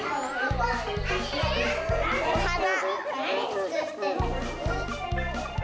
おはな。